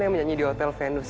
yang menyanyi di hotel venus